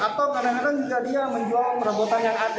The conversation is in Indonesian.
atau kadang kadang jika dia menjual perabotan yang ada